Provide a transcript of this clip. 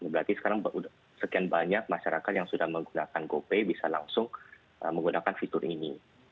berarti sekarang sekian banyak masyarakat yang sudah menggunakan gopay bisa langsung menggunakan fitur ini